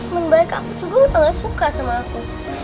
memang baik aku juga udah gak suka sama aku